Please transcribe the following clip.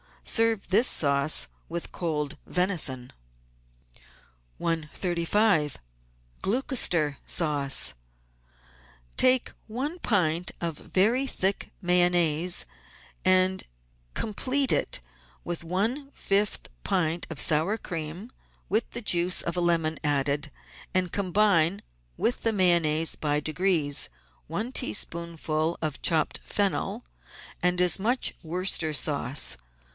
Serve this sauce with cold venison. 135 QLOUCESTER SAUCE Take one pint of very thick Mayonnaise and complete it with one fifth pint of sour cream with the juice of a lemon added, and combine with the Mayonnaise by degrees ; one tea spoonful of chopped fennel and as much Worcester sauce.